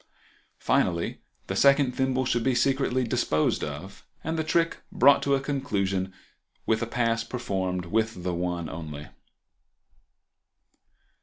Finally the second thimble should be secretly disposed of, and the trick brought to a conclusion with a pass performed with the one only.